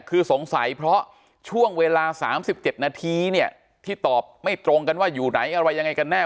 คือสงสัยเพราะช่วงเวลา๓๗นาทีเนี่ยที่ตอบไม่ตรงกันว่าอยู่ไหนอะไรยังไงกันแน่